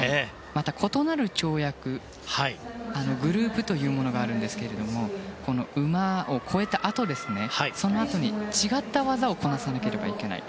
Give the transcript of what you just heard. また、異なる跳躍グルーブというものがありますが馬を越えたあとに、違った技をこなさなければいけない。